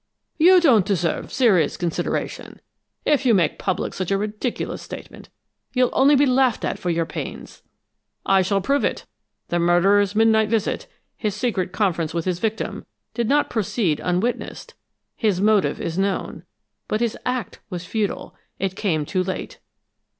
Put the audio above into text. "You don't deserve serious consideration! If you make public such a ridiculous statement, you'll only be laughed at for your pains." "I shall prove it. The murderer's midnight visit, his secret conference with his victim, did not proceed unwitnessed. His motive is known, but his act was futile. It came too late."